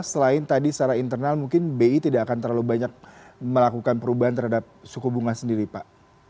selain tadi secara internal mungkin bi tidak akan terlalu banyak melakukan perubahan terhadap suku bunga sendiri pak